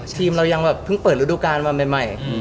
ทีมเรายังแบบเพิ่งเปิดฤดูการมาใหม่